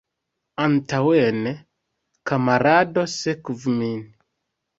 Antaŭen, kamarado, sekvu min!